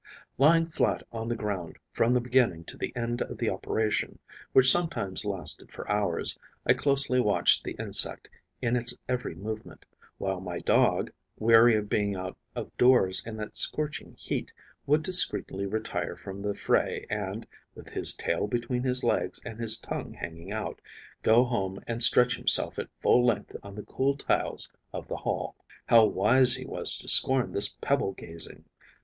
Lying flat on the ground, from the beginning to the end of the operation, which sometimes lasted for hours, I closely watched the insect in its every movement, while my Dog, weary of being out of doors in that scorching heat, would discreetly retire from the fray and, with his tail between his legs and his tongue hanging out, go home and stretch himself at full length on the cool tiles of the hall. How wise he was to scorn this pebble gazing!